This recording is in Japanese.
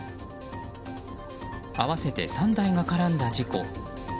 合わせて３台が絡んだ事故。